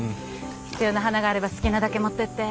必要な花があれば好きなだけ持ってって。